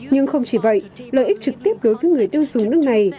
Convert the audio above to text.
nhưng không chỉ vậy lợi ích trực tiếp đối với người tiêu dùng nước này